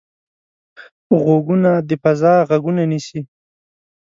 غوږونه د فضا غږونه نیسي